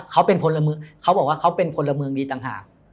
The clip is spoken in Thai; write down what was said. เขาบอกว่าเขาเป็นคนละเมืองดีต่างหาก